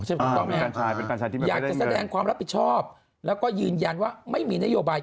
ถูกต้องไหมครับอยากจะแสดงความรับผิดชอบแล้วก็ยืนยันว่าไม่มีนโยบาย